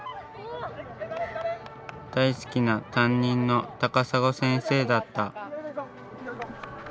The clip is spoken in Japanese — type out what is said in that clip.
大好きな担任のたかさご先生だった。